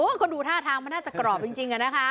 ก็ดูท่าทางมันน่าจะกรอบจริงอะนะคะ